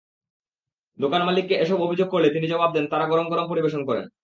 দোকানমালিককে এসব অভিযোগ করলে তিনি জবাব দেন, তাঁরা গরম গরম পরিবেশন করেন।